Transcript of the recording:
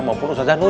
maupun ustadz zanuyuy